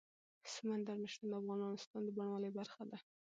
سمندر نه شتون د افغانستان د بڼوالۍ برخه ده.